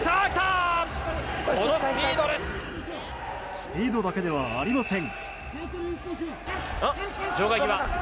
スピードだけではありません。